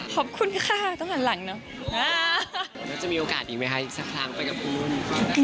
ขอบคุณค่ะต้องหันหลังเนาะ